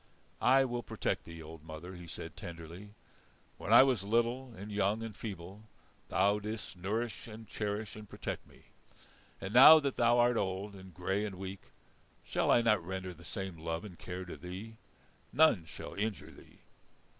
"I will protect thee, old mother," he said tenderly. "When I was little and young and feeble, thou didst nourish and cherish and protect me; and now that thou art old and grey and weak, shall I not render the same love and care to thee? None shall injure thee."